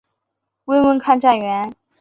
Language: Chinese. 问问看站员